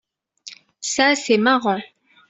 Ça c’est marrant.